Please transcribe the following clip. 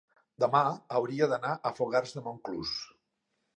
demà hauria d'anar a Fogars de Montclús.